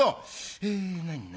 え何何？